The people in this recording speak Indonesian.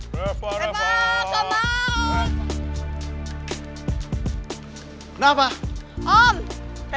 siap laksanakan dia cepet banget